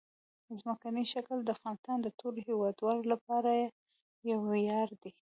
ځمکنی شکل د افغانستان د ټولو هیوادوالو لپاره یو ویاړ دی.